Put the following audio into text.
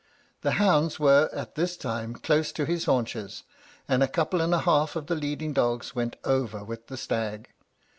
The hounds were, at this time, close to his haunches, and a couple and a half of the leading dogs went over with the stag.